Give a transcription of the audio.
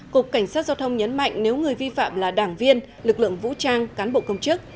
cục cảnh sát giao thông nhấn mạnh nếu người vi phạm là đảng viên lực lượng vũ trang cán bộ công chức